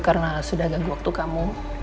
karena sudah ganggu waktu kamu